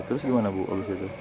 terus gimana bu abis itu